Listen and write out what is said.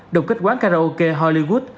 đồng kích quán karaoke hollywood